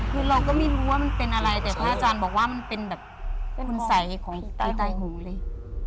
คือเราก็ไม่รู้ว่ามันเป็นอะไรแต่พระอาจารย์บอกว่ามันเป็นแบบเป็นคุณสัยของตายหูเลย